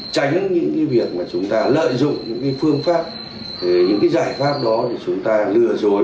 tránh những cái việc mà chúng ta lợi dụng những phương pháp những cái giải pháp đó để chúng ta lừa dối